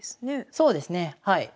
そうですねはい。